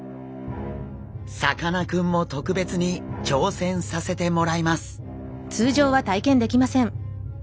さかなクンも特別に挑戦させてもらいます。